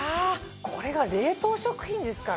これが冷凍食品ですからね。